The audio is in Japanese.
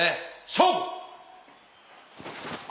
勝負！